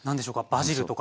バジルとか。